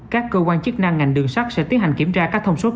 các cơ quan chức năng ngành đường sắt sẽ tiến hành kiểm tra các thông số kỹ thuật